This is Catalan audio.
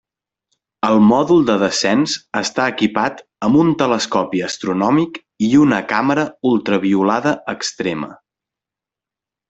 El mòdul de descens està equipat amb un telescopi astronòmic i una càmera ultraviolada extrema.